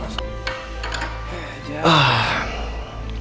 kalau sayang aku